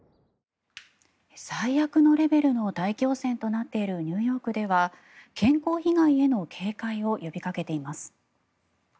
最悪のレベルの大気汚染となっているニューヨークでは健康被害への警戒を呼びかけています。